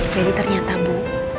jadi ternyata bu